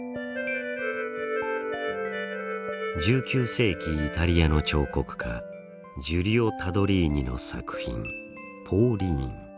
１９世紀イタリアの彫刻家ジュリオ・タドリーニの作品